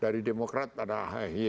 dari demokrat ada ahi